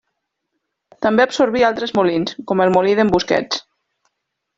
També absorbí altres molins, com el molí d'en Busquets.